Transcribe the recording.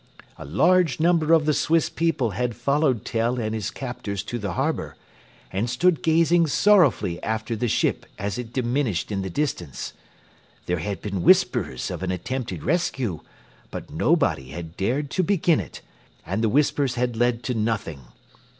A large number of the Swiss people had followed Tell and his captors to the harbour, and stood gazing sorrowfully after the ship as it diminished in the distance. There had been whispers of an attempted rescue, but nobody had dared to begin it, and the whispers had led to nothing.